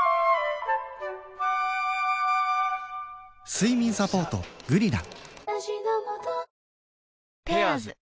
睡眠サポート「グリナ」